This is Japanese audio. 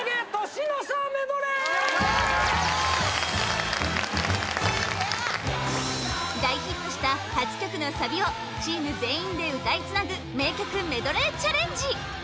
年の差メドレー大ヒットした８曲のサビをチーム全員で歌いつなぐ名曲メドレーチャレンジ